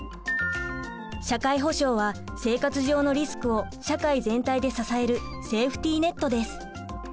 社会保障は生活上のリスクを社会全体で支えるセーフティ・ネットです。